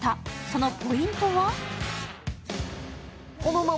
そのポイントは？